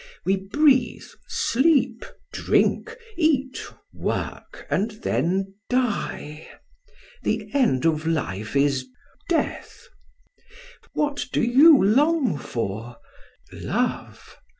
We breathe, sleep, drink, eat, work, and then die! The end of life is death. What do you long for? Love?